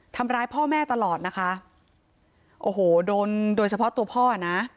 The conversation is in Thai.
ทำร้ายพ่อแม่ตลอดนะคะโอ้โหโดนโดยเฉพาะตัวพ่อนะ